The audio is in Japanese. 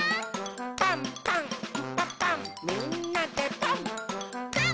「パンパンんパパンみんなでパン！」